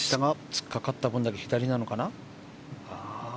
突っかかった分だけ左なのかな。